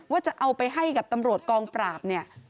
ว่าจะเอาไปให้กับตำรวจกองปราบเนี่ย